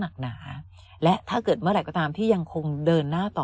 หนักหนาและถ้าเกิดเมื่อไหร่ก็ตามที่ยังคงเดินหน้าต่อ